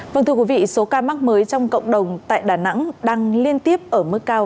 vâng thưa quý vị số ca mắc mới trong cộng đồng tại đà nẵng đang liên tiếp ở mức cao